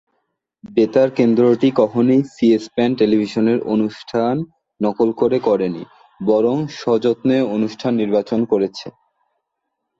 বেতার কেন্দ্রটি কখনই সি-স্প্যান টেলিভিশনের অনুষ্ঠান নকল করে করে নি, বরং সযত্নে অনুষ্ঠান নির্বাচন করেছে।